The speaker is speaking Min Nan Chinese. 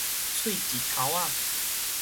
喙舌頭仔